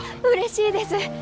うれしいです。